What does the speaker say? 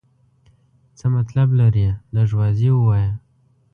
څه مطلب لرې ؟ لږ واضح ووایه.